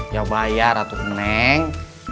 ya bayar atur meneng